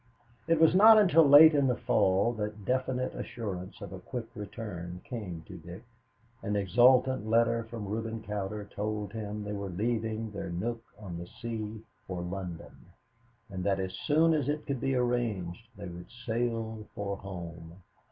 It was not until late in the fall that definite assurance of a quick return came to Dick. An exultant letter from Reuben Cowder told him they were leaving their nook on the sea for London, and that as soon as it could be arranged they would sail for home.